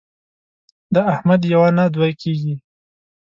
د احمد یوه نه دوې کېږي.